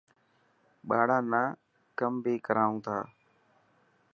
ٻاران نا ڪم بهي ڪرائون ٿا.